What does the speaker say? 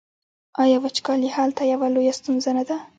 آیا وچکالي هلته یوه لویه ستونزه نه ده؟